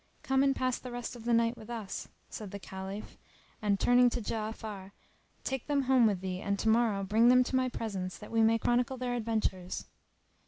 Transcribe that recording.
"Come and pass the rest of the night with us," said the Caliph and, turning to Ja'afar, "Take them home with thee and tomorrow bring them to my presence that we may chronicle their adventures."